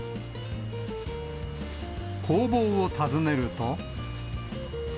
工房を訪ねると。